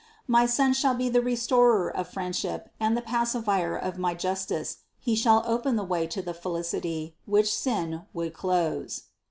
My Son shall be the Restorer of friendship and the Pacifier of my justice; He shall open the way to the felicity, which sin would close.